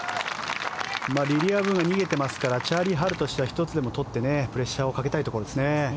リリア・ブが逃げてますからチャーリー・ハルとしては１つでも取ってプレッシャーをかけたいところですね。